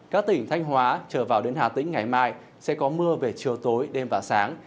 các tỉnh thanh hóa trở vào đến hà tĩnh ngày mai sẽ có mưa về chiều tối đêm và sáng